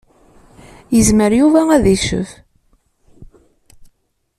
Yezmer Yuba ad iccef.